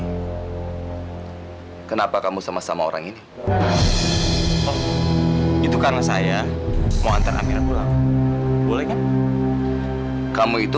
hai kenapa kamu sama sama orang ini itu karena saya mau antar amira pulang boleh kamu itu